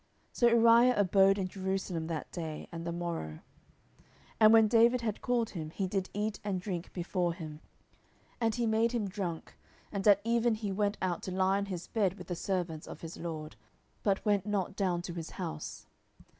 So Uriah abode in Jerusalem that day, and the morrow. 10:011:013 And when David had called him, he did eat and drink before him; and he made him drunk: and at even he went out to lie on his bed with the servants of his lord, but went not down to his house.